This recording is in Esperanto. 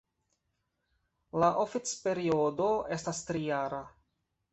La oficperiodo estas tri-jara.